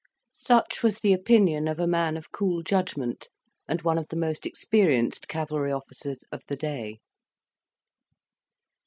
Such was the opinion of a man of cool judgment, and one of the most experienced cavalry officers of the day.